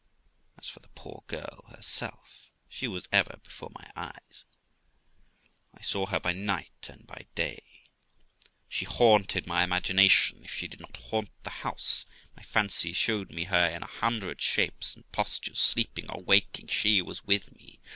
As for the poor girl herself, she was ever before my eyes; I saw her THE LIFE OF ROXANA 387 by night and by day; she haunted my imagination, if she did not haunt the house ; my fancy showed me her in a hundred shapes aud postures ; sleeping or waking, she was with me.